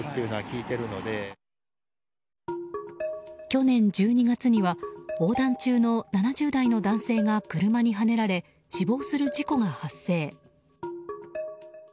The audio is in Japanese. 去年１２月には横断中の７０代の男性が車にはねられ死亡する事故が発生。